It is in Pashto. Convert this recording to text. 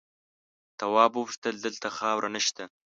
تواب وپوښتل دلته خاوره نه شته؟